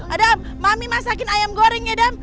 adam mami masakin ayam goreng ya adam